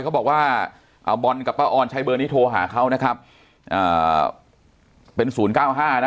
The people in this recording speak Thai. เขาบอกว่าเอาบอลกับป้าออนใช้เบอร์นี้โทรหาเขานะครับอ่าเป็นศูนย์เก้าห้านะ